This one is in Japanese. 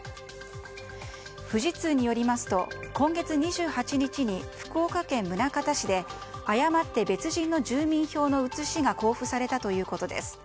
富士通によりますと今月２８日に福岡県宗像市で誤って別人の住民票の写しが交付されたということです。